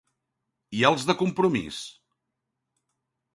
I als de Compromís?